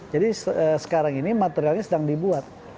jadi sekarang ini materialnya sedang dibuat